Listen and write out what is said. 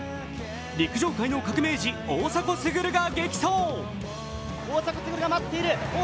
陸上界の革命児、大迫傑が激走。